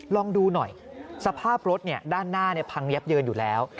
ลองดูหน่อยสภาพรถด้านหน้าพังยับเยินอยู่แล้ว